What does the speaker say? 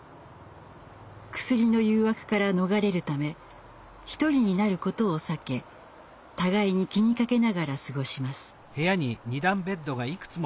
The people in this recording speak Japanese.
クスリの誘惑から逃れるため一人になることを避け互いに気にかけながら過ごします。